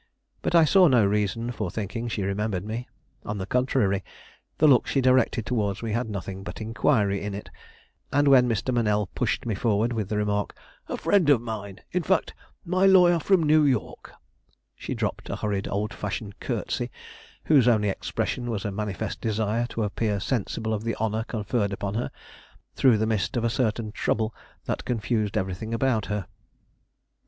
But I saw no reason for thinking she remembered me. On the contrary, the look she directed towards me had nothing but inquiry in it, and when Mr. Monell pushed me forward with the remark, "A friend of mine; in fact my lawyer from New York," she dropped a hurried old fashioned curtsey whose only expression was a manifest desire to appear sensible of the honor conferred upon her, through the mist of a certain trouble that confused everything about her.